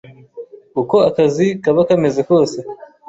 uko akazi kaba kameze kose